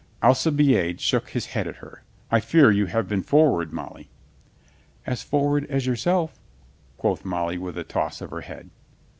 Alcibiade shook his head at her. "I fear you have been forward, Molly." "As forward as yourself," quoth Molly with a toss of her head.